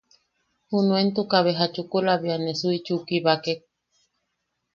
Junuentuka beja chukula bea ne Suichiu kibakek.